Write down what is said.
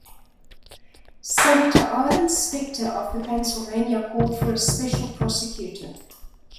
Senator Arlen Specter of Pennsylvania called for a special prosecutor.